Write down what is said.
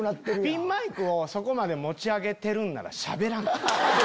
ピンマイクをそこまで持ち上げてるんなら。